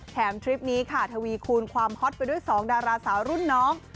ทริปนี้ค่ะทวีคูณความฮอตไปด้วย๒ดาราสาวรุ่นน้อง